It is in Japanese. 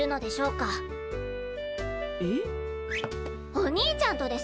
お兄ちゃんとです！